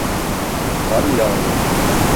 Kar mı yağıyor?